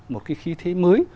một cái khí thế mới